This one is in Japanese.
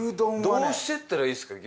どうしていったらいいですか？